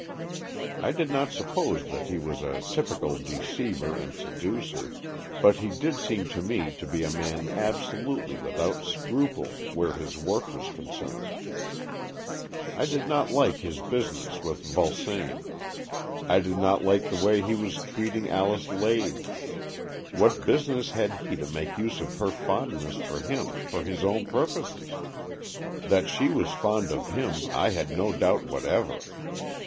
I did not suppose that he was a typical deceiver and seducer, but he did seem to me to be a man absolutely with out scruple where his work was concerned. I did not like his business with Vulsame. I did not like the way he was treating Alice 64 AN EXCHANGE OF SOULS Lade. What business had he to make use of her fondness for him for his own pur poses ? That she was fond of him I had no doubt whatever.